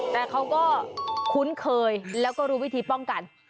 แต่เขาก็คุ้นเคยแล้วก็รู้วิธีป้องกัน